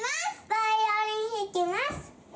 バイオリンひきます！